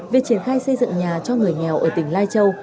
việc triển khai xây dựng nhà cho người nghèo ở tỉnh lai châu